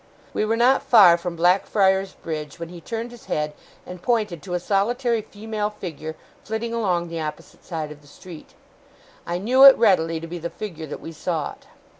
We were not far from Blackfriars Bridge, when he turned his head and pointed to a solitary female figure flitting along the opposite side of the street. I knew it, readily, to be the figure that we sought.